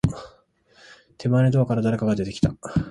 手前のドアから、誰かが出てきた。